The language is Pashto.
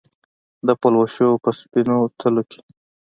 د پلوشو په سپینو تلو کې